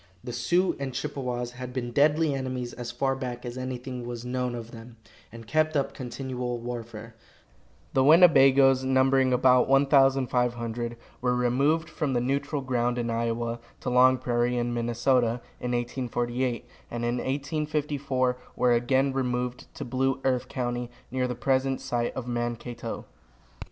The Sioux and Chippewas had been deadly enemies as far back as anything was known of them, and kept up continual warfare. The Winnebagoes, numbering about 1,500, were removed from the neutral ground, in Iowa, to Long Prairie, in Minnesota, in 1848, and in 1854 were again removed to Blue Earth county, near the present site of Mankato.